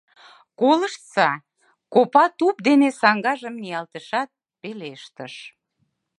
— Колыштса, — копа туп дене саҥгажым ниялтышат, пелештыш.